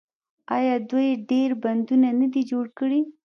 آیا دوی ډیر بندونه نه دي جوړ کړي؟